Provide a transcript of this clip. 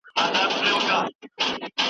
د ابن خلدون آنکتوط حقیقتونو سمون مهم دی.